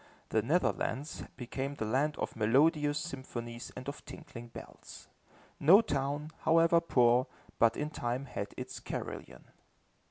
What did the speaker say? The Netherlands became the land of melodious symphonies and of tinkling bells. No town, however poor, but in time had its carillon.